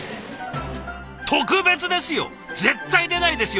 特別ですよ！絶対出ないですよ